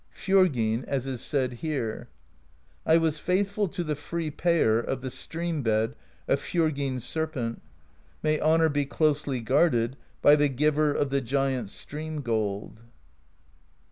^ Fj6rgyn,'as is said here: I was faithful to the free Payer Of the stream bed of Fjorgyn's Serpent; May honor be closely guarded By the Giver of the Giant's Stream gold.